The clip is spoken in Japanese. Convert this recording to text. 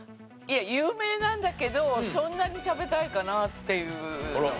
有名なんだけどそんなに食べたいかなっていうのがあるので。